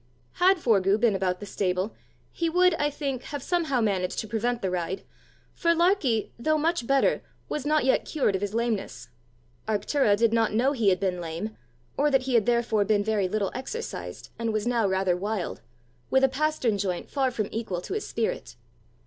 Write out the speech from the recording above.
Had Forgue been about the stable, he would, I think, have somehow managed to prevent the ride, for Larkie, though much better, was not yet cured of his lameness. Arctura did not know he had been lame, or that he had therefore been very little exercised, and was now rather wild, with a pastern joint far from equal to his spirit.